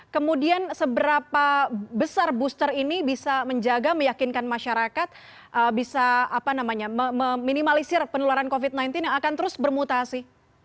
kemudian seberapa besar booster ini bisa menjaga meyakinkan masyarakat bisa meminimalisir penularan covid sembilan belas yang akan terus bermutasi